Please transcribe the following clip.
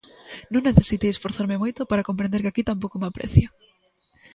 Non necesitei esforzarme moito para comprender que aquí tampouco me aprecian.